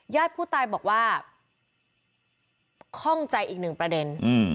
ญาติผู้ตายบอกว่าข้องใจอีกหนึ่งประเด็น